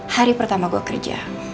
hari pertama gue kerja